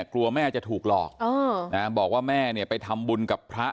กลัวแม่จะถูกหลอกบอกว่าแม่เนี่ยไปทำบุญกับพระ